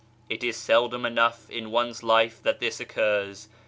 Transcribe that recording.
It is seldom enough in one's life that this occurs.